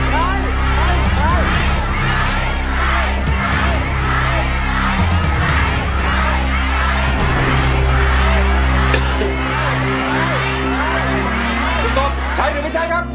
ใช้ใช้ใช้คุณโกบใช้หรือไม่ใช้ครับ